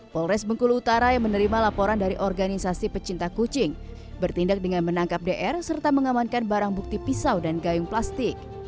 polres bengkulu utara yang menerima laporan dari organisasi pecinta kucing bertindak dengan menangkap dr serta mengamankan barang bukti pisau dan gayung plastik